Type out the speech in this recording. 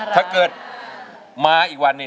ถ้าเกิดมาอีกวันหนึ่ง